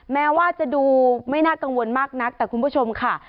แม้ว่าจะดูไม่น่ากังวลมากนักแต่คุณผู้ชมค่ะ